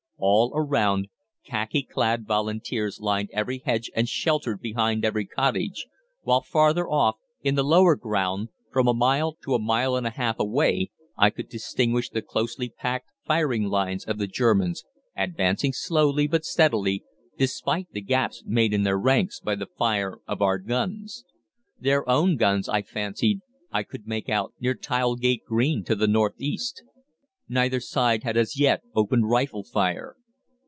All around khaki clad Volunteers lined every hedge and sheltered behind every cottage, while farther off, in the lower ground, from a mile to a mile and a half away I could distinguish the closely packed firing lines of the Germans advancing slowly but steadily, despite the gaps made in their ranks by the fire of our guns. Their own guns, I fancied, I could make out near Tilegate Green to the north east. Neither side had as yet opened rifle fire.